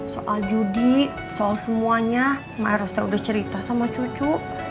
soal judi soal semuanya my roster udah cerita sama cucu